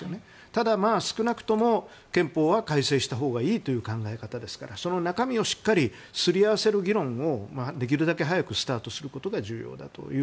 ただ、少なくとも憲法は改正したほうがいいという考え方ですからその中身をしっかりとすり合わせる議論をスタートさせることが重要です。